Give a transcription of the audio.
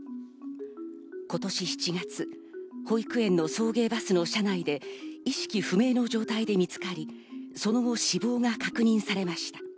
今年７月、保育園の送迎バスの車内で意識不明の状態で見つかり、その後、死亡が確認されました。